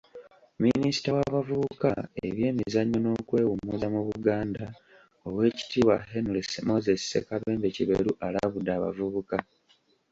Minisita w'abavubuka, ebyemizannyo n'okwewumumuza mu Buganda, Owekitiibwa Henry Moses Sekabembe kiberu, alabudde abavubuka